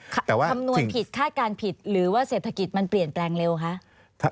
คำนวณผิดคาดการณ์ผิดหรือว่าเศรษฐกิจมันเปลี่ยนแปลงเร็วคะ